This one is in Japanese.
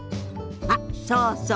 あっそうそう。